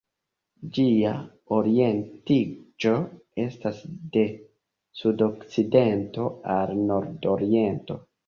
Ĝia orientiĝo estas de sudokcidento al nordoriento.